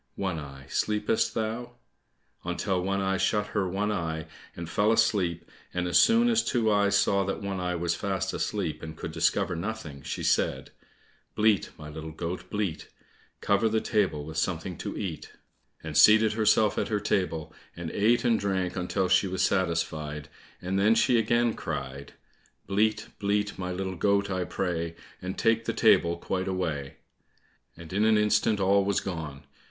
One eye, sleepest thou?" until One eye shut her one eye, and fell asleep, and as soon as Two eyes saw that One eye was fast asleep, and could discover nothing, she said, "Bleat, my little goat, bleat, Cover the table with something to eat," and seated herself at her table, and ate and drank until she was satisfied, and then she again cried, "Bleat, bleat, my little goat, I pray, And take the table quite away," and in an instant all was gone.